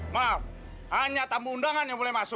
maaf hanya tamu undangan yang boleh masuk